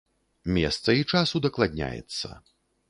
Месца і час удакладняецца.